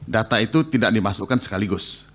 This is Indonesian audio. data itu tidak dimasukkan sekaligus